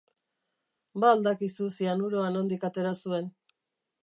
Ba al dakizu zianuroa nondik atera zuen?